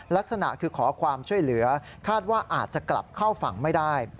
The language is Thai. ลักษณะคือขอความช่วยเหลือคาดว่าอาจจะกลับเข้าฝั่งไม่ได้